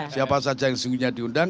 siapa saja yang sejujurnya diundang